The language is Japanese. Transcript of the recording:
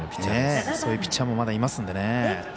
そういうピッチャーもまだいますのでね。